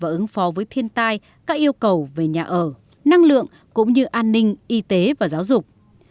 và ứng phó với thiên tai các yêu cầu về nhà ở năng lượng cũng như an ninh y tế và giáo dục